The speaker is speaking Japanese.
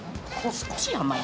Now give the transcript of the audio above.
少し甘い。